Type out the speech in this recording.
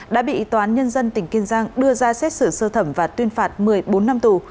đã bị tòa án nhân dân tỉnh kiên giang đưa ra xét xử sơ thẩm và tuyên phạt một mươi bốn năm tù